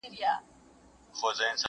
یوه بل ته یې ویله چي بیلیږو.!